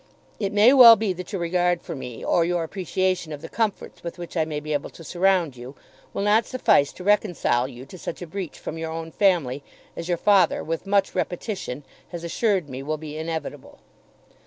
It may well be that your regard for me or your appreciation of the comforts with which I may be able to surround you, will not suffice to reconcile you to such a breach from your own family as your father, with much repetition, has assured me will be inevitable.